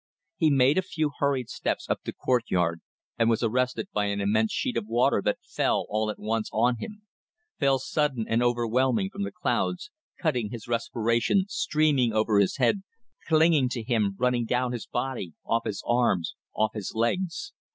He made a few hurried steps up the courtyard and was arrested by an immense sheet of water that fell all at once on him, fell sudden and overwhelming from the clouds, cutting his respiration, streaming over his head, clinging to him, running down his body, off his arms, off his legs.